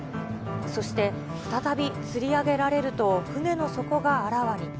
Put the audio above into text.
そして再びつり上げられると、船の底があらわに。